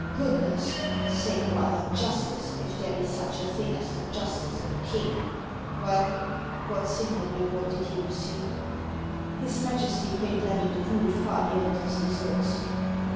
"Goodness? Say, rather, justice, if there be such a thing as the justice of a king ! Well, what signal reward did he receive ?"" His Majesty paid Levin de Knud far beyond his deserts."